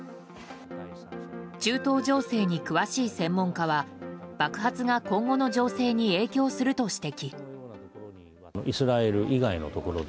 中東情勢に詳しい専門家は爆発が今後の情勢に影響すると指摘。